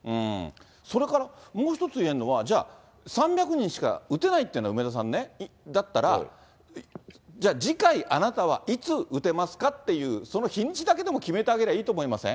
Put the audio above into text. それから、もう一つ言えるのは、じゃあ、３００人しか打てないって、梅沢さんね、だったら、じゃあ、次回、あなたは、いつ打てますかって、その日にちだけでも決めてあげりゃいいと思いません？